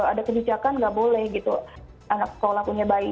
ada kebijakan nggak boleh gitu anak sekolah punya bayi